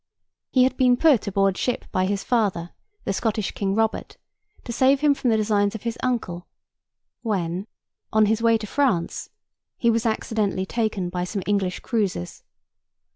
He had been put aboard ship by his father, the Scottish King Robert, to save him from the designs of his uncle, when, on his way to France, he was accidentally taken by some English cruisers.